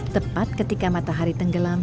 tepat ketika matahari tenggelam